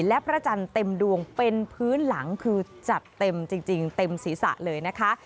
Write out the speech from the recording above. และพระจันทร์เต็มดวงเป็นพื้นหลังคือจัดเต็มจริงเต็มศีรษะเลยนะคะ